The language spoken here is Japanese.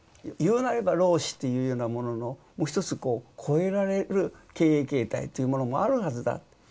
言うなれば労使というようなもののもう一つこう超えられる経営形態というものもあるはずだ。